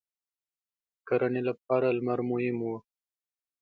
• د کرنې لپاره لمر مهم و.